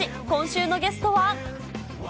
今週のゲストは。